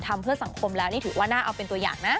ทำเพื่อสังคมแล้วนี่ถือว่าน่าเอาเป็นตัวอย่างนะ